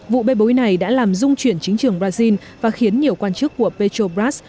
vụ bê bối này đã làm dung chuyển chính trường brazil và khiến nhiều quan chức của petrobras